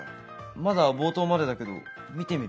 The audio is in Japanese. まだ冒頭までだけど見てみる？